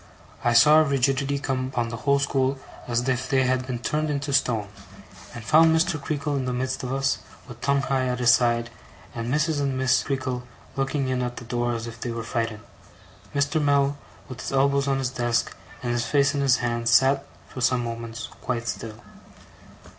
I saw a rigidity come upon the whole school as if they had been turned into stone, and found Mr. Creakle in the midst of us, with Tungay at his side, and Mrs. and Miss Creakle looking in at the door as if they were frightened. Mr. Mell, with his elbows on his desk and his face in his hands, sat, for some moments, quite still.